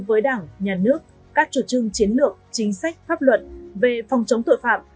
với đảng nhà nước các chủ trương chiến lược chính sách pháp luật về phòng chống tội phạm